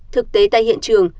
thực tế tại hiện trường